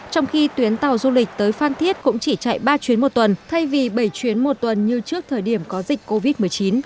trong khi tuyến tàu du lịch tới phan thiết cũng chỉ chạy ba chuyến một tuần thay vì bảy chuyến một tuần như trước thời điểm có dịch covid một mươi chín